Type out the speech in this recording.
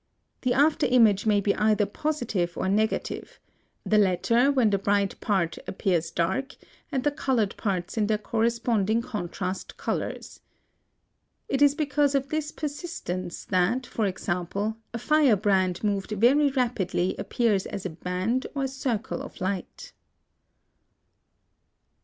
The after image may be either positive or negative, the latter when the bright part appears dark and the colored parts in their corresponding contrast colors. It is because of this persistence that, for example, a firebrand moved very rapidly appears as a band or circle of light.